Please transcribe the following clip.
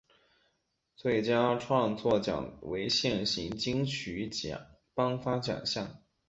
最佳创作奖为现行金曲奖颁发奖项。